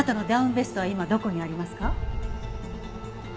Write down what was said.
ベストは今どこにありますか？